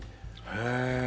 へえ！